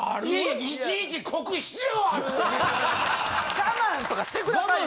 ・我慢とかしてくださいよ！